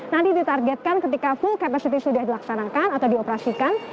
nanti ditargetkan ketika full capacity sudah dilaksanakan atau dioperasikan